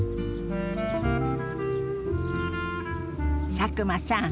佐久間さん